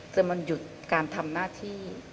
จนมันหยุดการทำหน้าที่